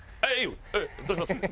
どうします？